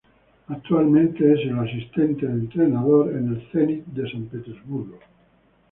Actualmente es el asistente de entrenador en el Zenit de San Petersburgo.